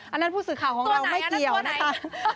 อันนั้นผู้สื่อข่าวของเราไม่เกี่ยวนะคะตัวไหนนะฮะฮ่า